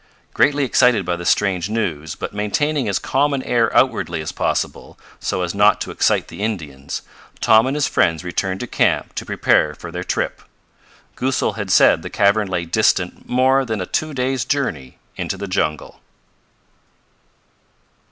Greatly excited by the strange news, but maintaining as calm an air outwardly as possible, so as not to excite the Indians, Tom and his friends returned to camp to prepare for their trip. Goosal had said the cavern lay distant more than a two days' journey into the jungle.